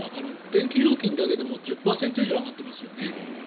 電気料金だけでも１０％以上上がってますよね。